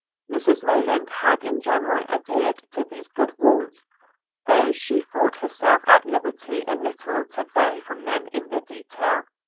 Mrs Lennard had in general adhered to these good rules, though she thought herself at liberty a little to vary from them in the detail.